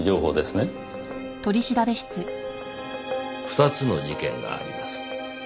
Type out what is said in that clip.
二つの事件があります。